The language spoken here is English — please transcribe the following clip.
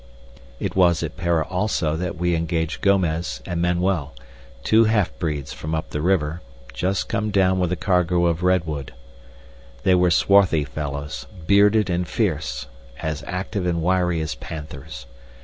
It was at Para also that we engaged Gomez and Manuel, two half breeds from up the river, just come down with a cargo of redwood. They were swarthy fellows, bearded and fierce, as active and wiry as panthers.